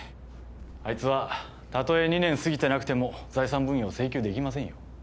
あいつはたとえ２年過ぎてなくても財産分与は請求できませんよ。